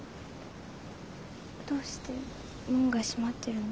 どうして門が閉まってるの？